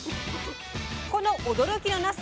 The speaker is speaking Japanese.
この驚きのなす